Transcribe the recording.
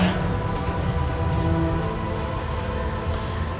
jangan lakuin itu